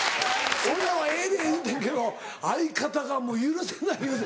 俺らは「ええで」言うてんけど相方が「許せない」言うて。